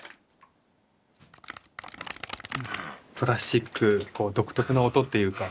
プラスチック独特の音っていうか